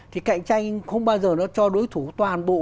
thì cạnh tranh không bao giờ nó cho đối thủ toàn bộ